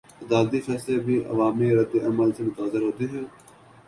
عدالتی فیصلے بھی عوامی ردعمل سے متاثر ہوتے ہیں؟